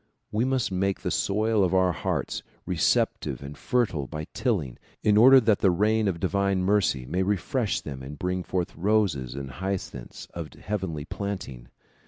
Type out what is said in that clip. We must make the soil of our hearts receptive and fertile by tilling, in order that the rain of divine mercy may refresh them and bring forth roses and hyacinths of heavenly planting.